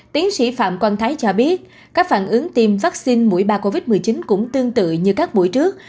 tiến sĩ phạm quang thái cho biết các phản ứng tiêm vaccine mũi ba covid một mươi chín cũng tương tự như các buổi trước